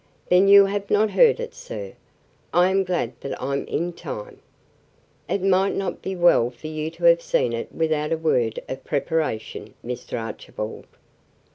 "Then you have not heard it, sir! I am glad that I'm in time. It might not be well for you to have seen it without a word of preparation, Mr. Archibald."